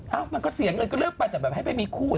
มันก็เสียเงินก็เลิกไปแต่แบบให้ไปมีคู่